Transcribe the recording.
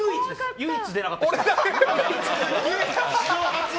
唯一出なかった人。